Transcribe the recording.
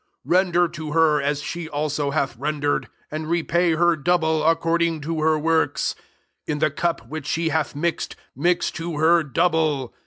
6 Render to her as she also hath rendered; and repay her double, according to her works: in the cup which she hatfi mixed, mix to her double.